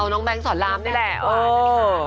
เอาน้องแบงค์สอนล้ำนี่แหละ